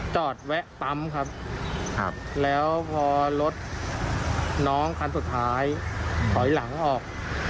แวะปั๊มครับแล้วพอรถน้องคันสุดท้ายถอยหลังออก